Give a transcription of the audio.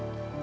saya tuh ini